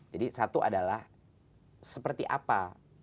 jadi satu adalah seperti apa